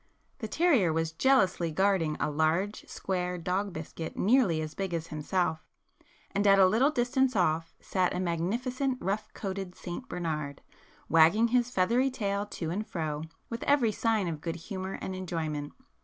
The terrier was jealously guarding a large square dog biscuit nearly as big as himself, and at a little distance off sat a magnificent rough coated St Bernard, wagging his feathery tail to and fro, with every sign of good humour and enjoyment.